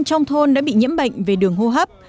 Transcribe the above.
trong thôn đã bị nhiễm bệnh về đường hô hấp